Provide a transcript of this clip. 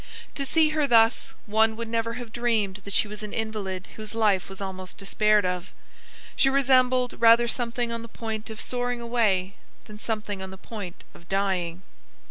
To see her thus, one would never have dreamed that she was an invalid whose life was almost despaired of. She resembled rather something on the point of soaring away than something on the point of dying.